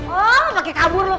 oh mau pake kabur lu